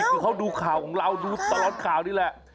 คือเขาดูข่าวของเราดูตลอดข่าวนี่แหละ